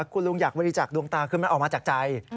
คุณลุงอยากบริจาคดวงตาคือมันออกมาจากใจ